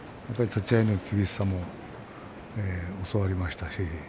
立ち合いの厳しさも教わりましたし